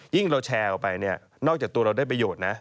ยิ่งเราแชร์ออกไปนอกจากตัวเราได้ประโยชน์นะ